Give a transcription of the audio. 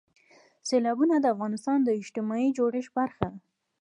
سیلابونه د افغانستان د اجتماعي جوړښت برخه ده.